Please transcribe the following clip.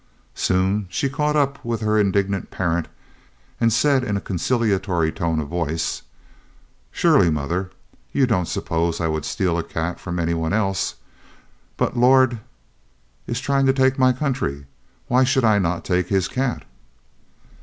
Soon she caught up with her indignant parent and said in a conciliatory tone of voice: "Surely, mother, you don't suppose I would steal a cat from any one else! But Lord is trying to take my country, why should I not take his cat?"